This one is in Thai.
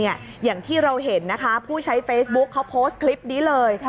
อย่างที่เราเห็นนะคะผู้ใช้เฟซบุ๊คเขาโพสต์คลิปนี้เลย